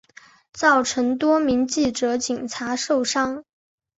造成多名记者警察受伤